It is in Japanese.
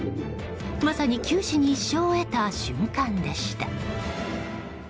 まさに九死に一生を得た瞬間でした。